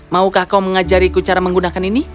maukah kau mengajariku cara menggunakan ini